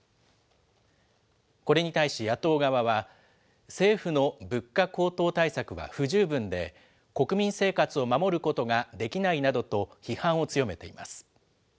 これに対し野党側は、政府の物価高騰対策は不十分で、国民生活を守ることができないなどと批判を強めています。